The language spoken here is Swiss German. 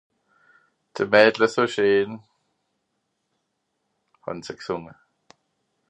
De Maidle se scheen, han se gsunge.